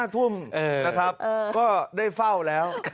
๕ทุ่มนะครับก็ได้เฝ้าแล้ว